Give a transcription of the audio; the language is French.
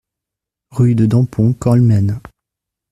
Rue de Dampont, Colmen